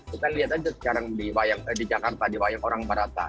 kita lihat aja sekarang di jakarta di wayang orang barata